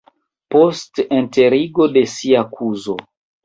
post enterigo de sia kuzo.